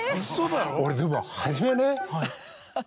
俺でも初めね。